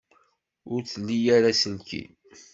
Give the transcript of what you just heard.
Ur tli ara aselkim.